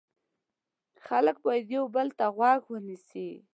خلک باید یو بل ته غوږ ونیسي.